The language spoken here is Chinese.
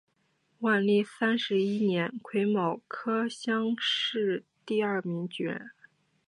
万历三十一年癸卯科乡试第二名举人。